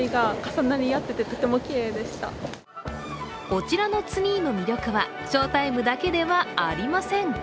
こちらのツリーの魅力はショータイムだけではありません。